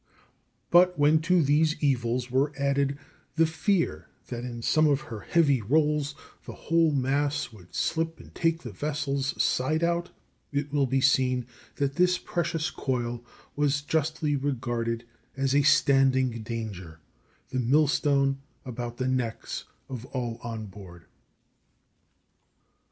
But when to these evils were added the fear that in some of her heavy rolls the whole mass would slip and take the vessel's side out, it will be seen that this precious coil was justly regarded as a standing danger the millstone about the necks of all on board.